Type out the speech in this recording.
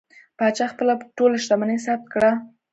پاچا خپله ټوله شتمني ثبت کړه.